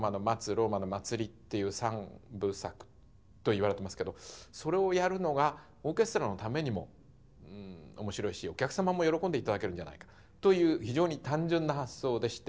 「ローマの祭り」っていう３部作といわれてますけどそれをやるのがオーケストラのためにも面白いしお客様も喜んでいただけるんじゃないかという非常に単純な発想でして。